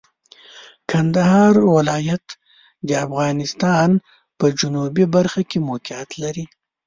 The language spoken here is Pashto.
کندهار ولایت د افغانستان په جنوبي برخه کې موقعیت لري.